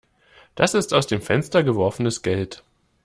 Das ist aus dem Fenster geworfenes Geld.